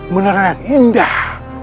menarilah yang indah